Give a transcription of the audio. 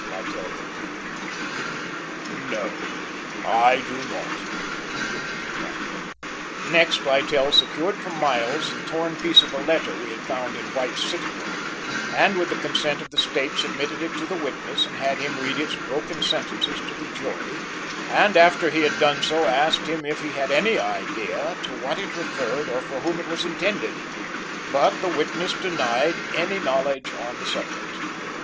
Littell concluded. "No, I do not," he admitted finally. Next Littell secured from Miles the torn piece of a letter we had found in White's sitting room, and with the consent of the State submitted it to the witness and had him read its broken sentences to the jury, and after he had done so, asked him if he had any idea to what it referred or for whom it was intended, but the witness denied any knowledge on the subject.